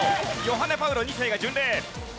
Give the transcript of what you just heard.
ヨハネ・パウロ２世が巡礼。